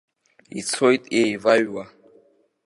Ицоит иеиваҩуа.